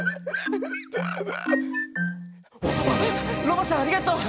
ロバさんありがとう。